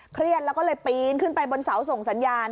เครียดแล้วก็เลยปีนขึ้นไปบนเสาส่งสัญญาณ